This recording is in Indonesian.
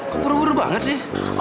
kok buru buru banget sih